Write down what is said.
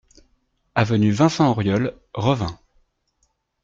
Avenue Vincent Auriol, Revin